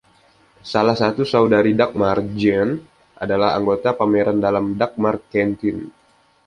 Salah satu saudari Dagmar, Jean, adalah anggota pemeran dalam "Dagmar's Canteen".